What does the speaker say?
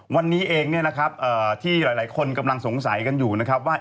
วันนี้เองเนี่ยนะครับที่หลายคนกำลังสงสัยกันอยู่นะครับว่า